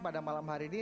pada malam hari ini